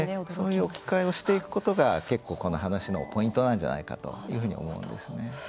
そういう置き換えをしていくことが結構、この話のポイントなんじゃないかと思うんですね。